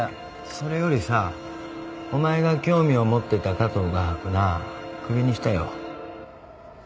それよりさお前が興味を持ってた加藤画伯な首にしたよ。